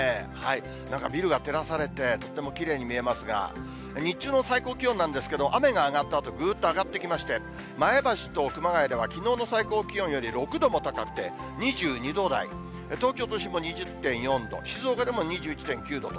なんかビルが照らされて、とてもきれいに見えますが、日中の最高気温なんですけれども、雨が上がったあと、ぐっと上がってきまして、前橋と熊谷では、きのうの最高気温より６度も高くて２２度台、東京都心も２０．４度、静岡でも２１．９度と。